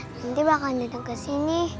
nanti bakalan dateng kesini